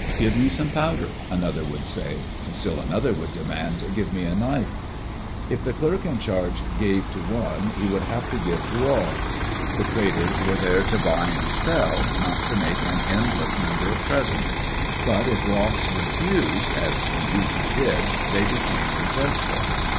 "Give me some powder," another would say. Still another would demand, "Give me a knife." If the clerk in charge gave to one, he would have to give to all. The traders were there to buy and sell, not to make an endless number of presents. But if Ross refused, as he usually did, they became resentful.